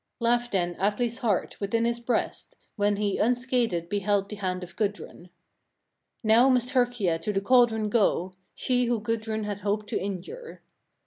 10. Laughed then Atli's heart within his breast, when he unscathed beheld the hand of Gudrun. "Now must Herkia to the cauldron go, she who Gudrun had hoped to injure."